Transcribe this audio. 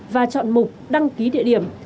và chọn mục đăng ký địa điểm